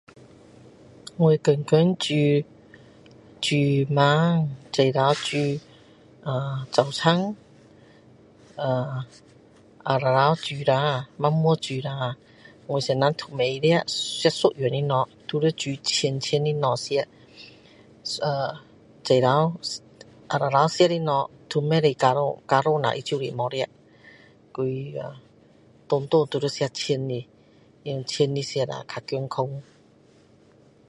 我天天煮煮晚餐早上煮呃早餐呃下午煮下晚上煮下我先生都不爱吃吃一样的东西都要煮新鲜的东西吃呃早上下午吃的东西都不可以重复重复下他就不要吃所以呀每一顿都要吃新鲜的他说吃新鲜的比较健康